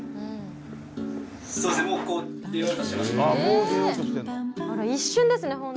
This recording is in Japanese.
あれ一瞬ですね